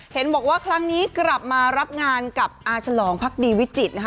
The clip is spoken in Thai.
เห็นบอกว่าครั้งนี้กลับมารับงานกับอาฉลองพักดีวิจิตรนะคะ